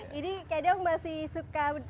jadi kayaknya masih suka